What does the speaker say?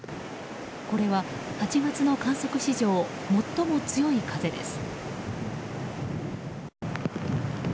これは８月の観測史上最も強い風です。